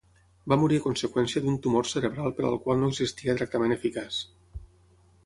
Va morir a conseqüència d'un tumor cerebral per al qual no existia tractament eficaç.